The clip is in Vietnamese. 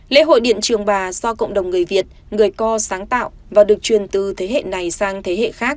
lễ hội điện trường bà do cộng đồng người việt người co sáng tạo và được truyền từ thế hệ này sang thế hệ khác